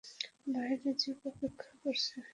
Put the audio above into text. বাহিরে জিপ অপেক্ষা করছে।